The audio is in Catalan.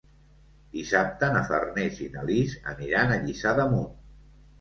Dissabte na Farners i na Lis aniran a Lliçà d'Amunt.